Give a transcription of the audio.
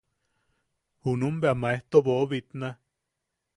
Junum bea maejto boʼobitna.